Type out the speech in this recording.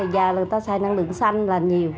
dài là người ta xài năng lượng xanh là nhiều